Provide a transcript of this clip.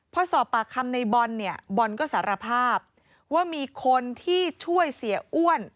พอสอบปากคำในบอลเนี่ยบอลก็สารภาพว่ามีคนที่ช่วยเสียอ้วน